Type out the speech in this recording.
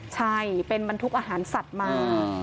ใช่เป็นบรรทุกอาหารสัตว์มา